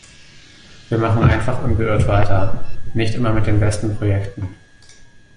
Wir machen einfach unbeirrt weiter, nicht immer mit den besten Projekten.